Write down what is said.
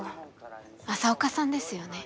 朝岡さんですよね。